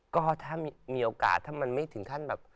ก็ถ้ามีโอกาสถ้ามันไม่ถึงขั้นแบบ